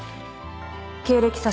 経歴詐称。